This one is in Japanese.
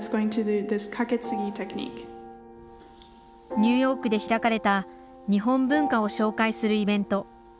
ニューヨークで開かれた日本文化を紹介するイベント。